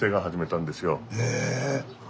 へえ。